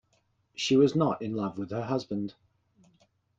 She was not in love with her husband.